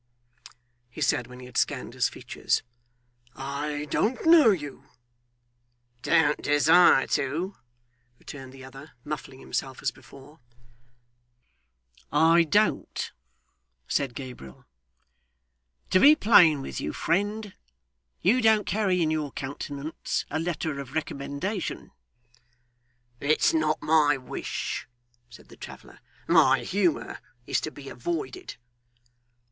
'Humph!' he said when he had scanned his features; 'I don't know you.' 'Don't desire to?' returned the other, muffling himself as before. 'I don't,' said Gabriel; 'to be plain with you, friend, you don't carry in your countenance a letter of recommendation.' 'It's not my wish,' said the traveller. 'My humour is to be avoided.